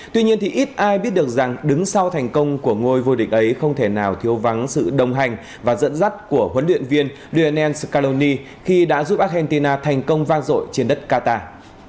tuy nhiên thì ít ai biết được rằng đứng sau thành công của ngôi vô địch ấy không thể nào thiếu vắng sự đồng hành và dẫn dắt của huấn luyện viên dien skoloni khi đã giúp argentina thành công vang dội trên đất qatar